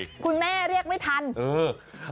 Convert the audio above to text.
คุณแม่เรียกไม่ทันเออ